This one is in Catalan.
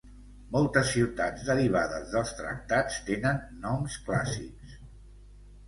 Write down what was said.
Moltes ciutats derivades dels tractats tenen noms clàssics.